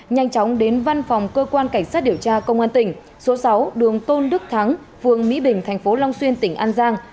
nhanh chóng đến văn phòng cơ quan cảnh sát điều tra công an tỉnh số sáu đường tôn đức thắng phường mỹ bình thành phố long xuyên tỉnh an giang